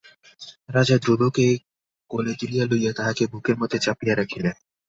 রাজা ধ্রুবকে কোলে তুলিয়া লইয়া তাহাকে বুকের মধ্যে চাপিয়া রাখিলেন।